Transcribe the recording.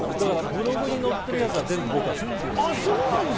ブログに載ってるやつは全部、僕が作ってる。